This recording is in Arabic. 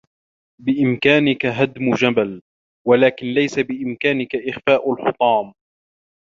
بإمكانك هدم جبل.. ولكن ليس بإمكانك إخفاء الحطام.